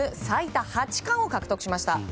最多８冠を獲得しました。